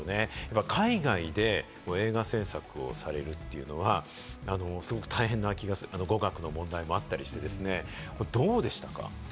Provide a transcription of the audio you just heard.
海外で映画制作をされるというのはすごく大変な気がするんですけれども、語学の問題もあったりして、どうでしたか？